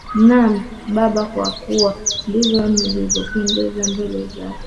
Naam Baba kwa kuwa ndivyo ilivyopendeza mbele zako